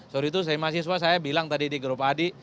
soal itu saya masih suah saya bilang tadi di grup adi